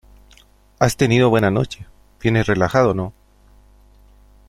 ¿ has tenido buena noche? vienes relajado, ¿ no ?